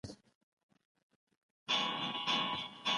زه تېره ورځ د پوهنتون په لور روان وم.